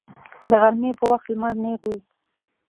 د غرمې په وخت لمر نیغ وي